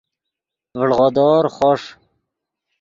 ڤڑغودور خوݰ